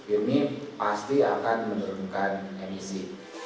ini pasti akan menurunkan emisi